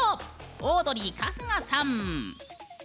オードリー、春日さん。